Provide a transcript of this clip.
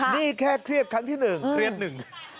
นี่แค่เครียดคันที่หนึ่ง